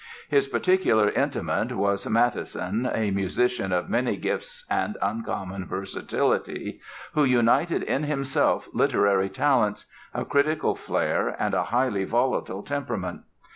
His particular intimate was Mattheson, a musician of many gifts and uncommon versatility, who united in himself literary talents, a critical flair and a highly volatile temperament.